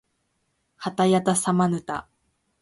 はたやたさまぬた